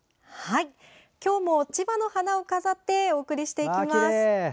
今日も千葉の花を飾ってお送りします。